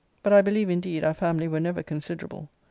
But I believe, indeed, our family were never considerable.